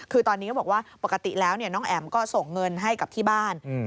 คือตอนนี้ก็บอกว่าปกติแล้วน้องแอ๋มก็ส่งเงินให้กับที่บ้าน